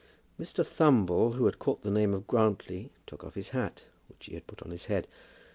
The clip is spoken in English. Mr. Thumble, who had caught the name of Grantly, took off his hat, which he had put on his head.